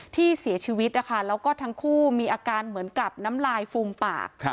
ที่เสียชีวิตนะคะแล้วก็ทั้งคู่มีอาการเหมือนกับน้ำลายฟูมปาก